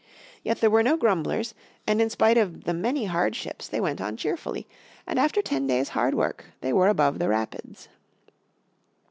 Yet there were no grumblers, and in spite of the many hardships they went on cheerfully, and after ten days' hard work they were above the rapids.